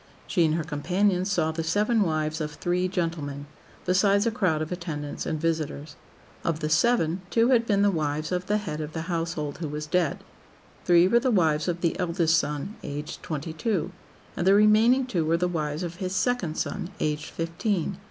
She and her companions saw the seven wives of three gentlemen, besides a crowd of attendants and visitors. Of the seven, two had been the wives of the head of the household, who was dead; three were the wives of his eldest son, aged twenty two; and the remaining two were the wives of his second son, aged fifteen.